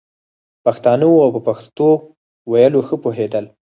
پښتانه وو او په پښتو ویلو ښه پوهېدل.